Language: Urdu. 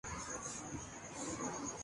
انگلش پوری دنیا میں مقبولیت کی حامل ہے